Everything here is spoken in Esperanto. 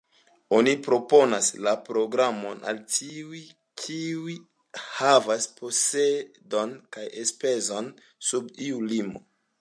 Oni proponas la programon al tiuj, kiuj havas posedon kaj enspezon sub iu limo.